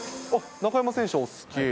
中山選手、お好き。